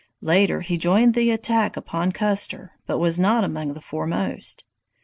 Later he joined the attack upon Custer, but was not among the foremost.